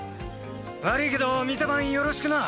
悪いけど店番よろしくな。